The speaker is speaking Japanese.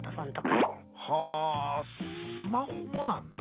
あスマホもなんだ。